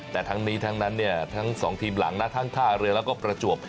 แต่ทั้งนี้ทั้งนั้นเนี่ยทั้งสองทีมหลังนะทั้งท่าเรือแล้วก็ประจวบ